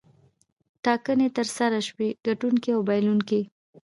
ټاکنې ترسره شوې ګټونکی او بایلونکی.